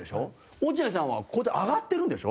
落合さんはこうやって上がってるんでしょ？